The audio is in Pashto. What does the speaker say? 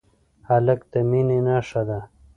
هلک د مینې نښه ده.